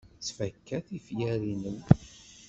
Ttfaka tifyar-nnem.